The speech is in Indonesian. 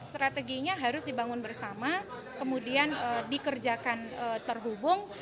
strateginya harus dibangun bersama kemudian dikerjakan terhubung